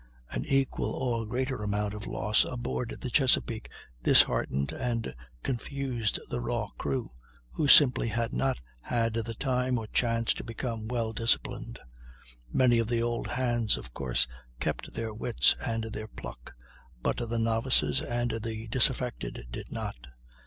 An equal or greater amount of loss aboard the Chesapeake disheartened and confused the raw crew, who simply had not had the time or chance to become well disciplined. Many of the old hands, of course, kept their wits and their pluck, but the novices and the disaffected did not.